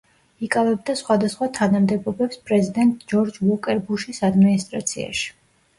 იკავებდა სხვადასხვა თანამდებობებს პრეზიდენტ ჯორჯ უოკერ ბუშის ადმინისტრაციაში.